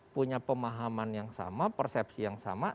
punya pemahaman yang sama persepsi yang sama